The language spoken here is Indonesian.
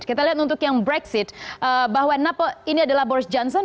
kita lihat untuk yang brexit bahwa ini adalah boris johnson